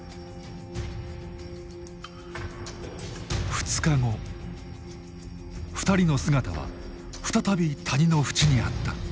２日後２人の姿は再び谷の縁にあった。